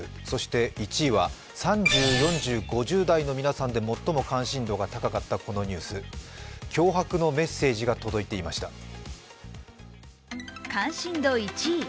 そして、１位は３０、４０、５０代の皆さんで関心度が最も高かったこのニュース脅迫のメッセージが届いていました。